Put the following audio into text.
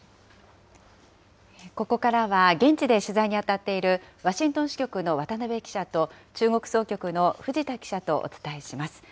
ここからは現地で取材に当たっている、ワシントン支局の渡辺記者と、中国総局の藤田記者とお伝えします。